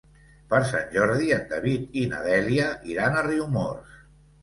Per Sant Jordi en David i na Dèlia iran a Riumors.